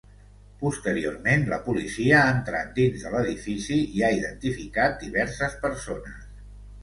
Posteriorment, la policia ha entrat dins de l’edifici i ha identificat diverses persones.